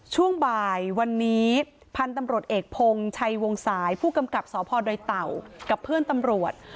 ช่วงบ่ายวันนี้พันธุ์ตำรวจเอกพงศ์ชัยวงสายผู้กำกับสพดอยเต่ากับเพื่อนตำรวจ